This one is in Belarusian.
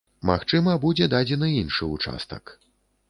Магчыма, будзе дадзены іншы ўчастак.